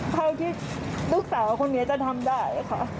เท่าที่ลูกสาวคนนี้จะทำได้ค่ะ